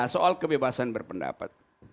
soal kebebasan berpendapat